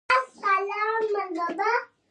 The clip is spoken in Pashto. او يوازې لږ څه ګذشت د دې وطن ډېرې ستونزې حل کولی شي